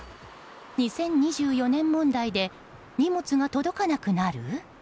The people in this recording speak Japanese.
２０２４年問題で荷物が届かなくなる？